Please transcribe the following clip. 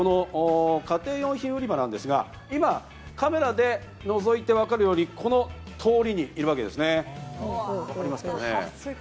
家庭用品売り場なんですが、今カメラで覗いてわかるように、この通りにいるわけですね。